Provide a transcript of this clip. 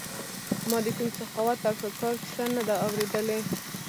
ما د کوم سخاوت او ښه کار کیسه نه ده اورېدلې.